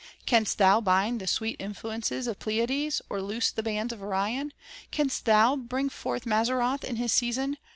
" Canst thou bind the sweet influences of Pleiades, Or loose the bands of Orion? Canst thou bring forth Mazzaroth in his season?